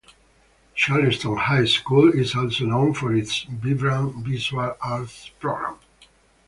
Charlestown High School is also known for its vibrant visual arts program.